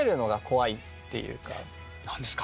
何ですか？